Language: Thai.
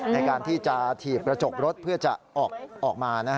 ในการที่จะถีบกระจกรถเพื่อจะออกมา